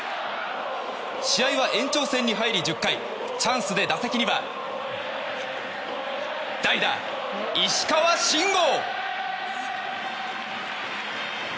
試合は延長戦に入り１０回チャンスで打席には代打、石川慎吾。